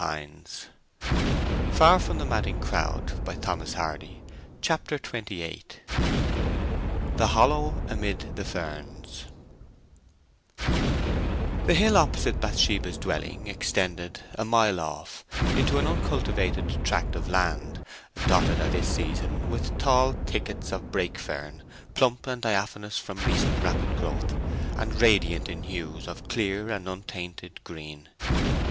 "It will not take five minutes," said Troy. CHAPTER XXVIII THE HOLLOW AMID THE FERNS The hill opposite Bathsheba's dwelling extended, a mile off, into an uncultivated tract of land, dotted at this season with tall thickets of brake fern, plump and diaphanous from recent rapid growth, and radiant in hues of clear and untainted green.